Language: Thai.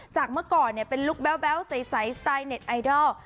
จากเมื่อก่อนเนี่ยเป็นลุคแบ๊วใสสไตล์เน็ตไอดอล